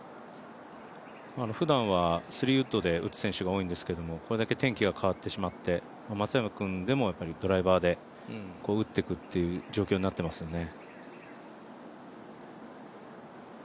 普段は３ウッドで打つ選手が多いんですけど、これだけ天気が変わって松山君でもドライバーで打ってくという状況になってますね。